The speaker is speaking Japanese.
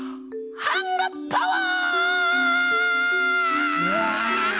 ハンドパワー！